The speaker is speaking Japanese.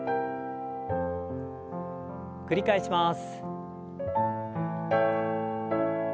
繰り返します。